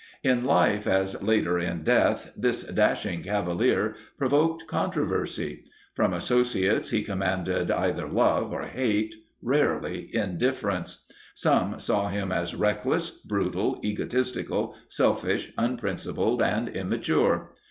In life as later in death, this dashing cavalier provoked controversy. From associates he commanded either love or hate, rarely indifference. Some saw him as reckless, brutal, egotistical, selfish, unprincipled, and immature.